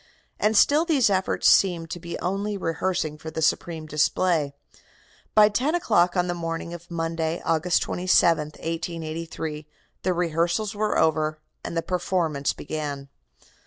And still these efforts seemed to be only rehearsing for the supreme display. By ten o'clock on the morning of Monday, August 27, 1883, the rehearsals were over, and the performance began.